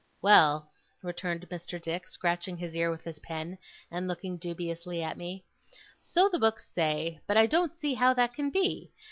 'Well,' returned Mr. Dick, scratching his ear with his pen, and looking dubiously at me. 'So the books say; but I don't see how that can be.